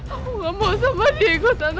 aku gak mau sama diego tante